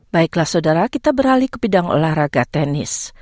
baiklah saudara kita beralih ke bidang olahraga tenis